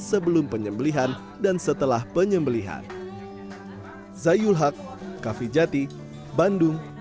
sebelum penyembelihan dan setelah penyembelihan